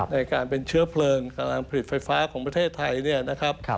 ในการเป็นเชื้อเพลินการผลิตไฟฟ้าของประเทศไทยนะครับ